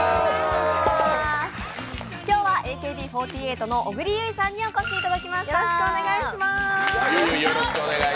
今日はＡＫＢ４８の小栗有以さんにお越しいただきました。